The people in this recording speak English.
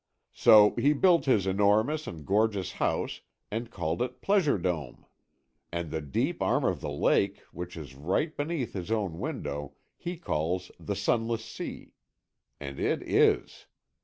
So he built his enormous and gorgeous house and called it Pleasure Dome. And the deep arm of the lake, which is right beneath his own window, he calls the Sunless Sea. And it is.